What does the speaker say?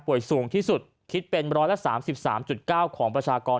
ป่วยสูงที่สุดคิดเป็นร้อยละสามสิบสามจุดเก้าของประชากร